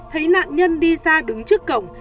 thấy nạn nhân đi ra đứng trước cổng